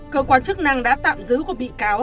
cơ quan chức năng đã tạm giữ của bị cáo